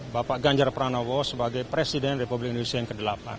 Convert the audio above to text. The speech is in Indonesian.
bapak ganjar pranowo sebagai presiden republik indonesia yang ke delapan